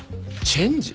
チェンジ！？